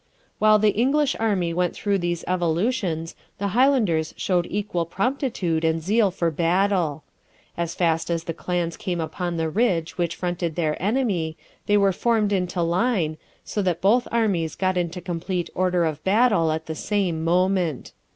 While the English army went through these evolutions, the Highlanders showed equal promptitude and zeal for battle. As fast as the clans came upon the ridge which fronted their enemy, they were formed into line, so that both armies got into complete order of battle at the same moment.